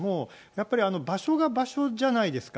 やっぱり場所が場所じゃないですか。